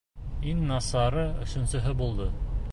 Иң насары өсөнсөһө булды.